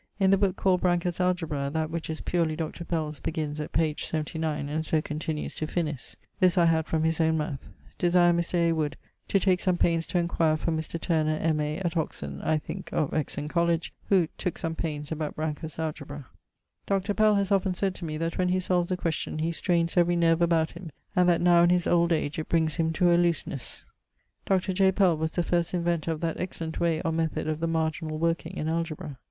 ☞ In the booke called Branker's Algebra that which is purely Dr. Pell's beginnes at p. 79 and so continues to FINIS this I had from his owne mouth. Desire Mr. A. Wood to take some paines to enquire for Mr. Turner, M.A. at Oxon (I thinke of Exon. Coll.), who tooke some paines about Branker's Algebra. Dr. Pell haz often sayd to me that when he solves a question he straines every nerve about him, and that now in his old age it brings him to a loosenesse. Dr. J. Pell was the first inventor of that excellent way or method of the marginall working in algebra.